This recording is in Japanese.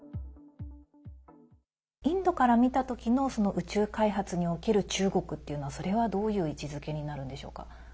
インドから見た時の宇宙開発における中国っていうのはそれは、どういう位置づけになるのでしょうか。